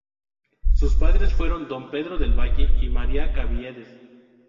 Sus padres fueron Don Pedro del Valle y María Caviedes.